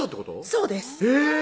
そうですえぇ！